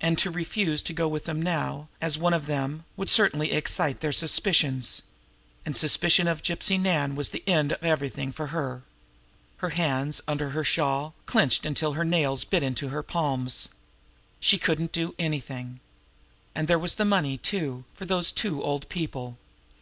And to refuse to go on with them now, as one of them, would certainly excite their suspicions and suspicion of Gypsy Nan was the end of everything for her. Her hands, under her shawl, clenched until the nails bit into her palms. Couldn't she do anything? And there was the money, too, for those two old people.